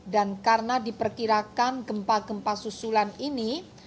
dan karena diperkirakan gempa gempa susulan ini